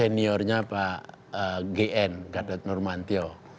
seniornya pak gn gatot nurmantio